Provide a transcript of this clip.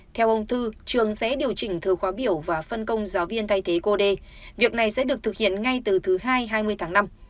theo ông thư trường sẽ điều chỉnh thời khóa biểu và phân công giáo viên thay thế cô d việc này sẽ được thực hiện ngay từ thứ hai hai mươi tháng năm